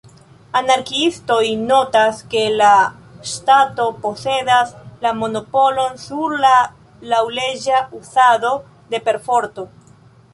Anarkiistoj notas ke la ŝtato posedas la monopolon sur la laŭleĝa uzado de perforto.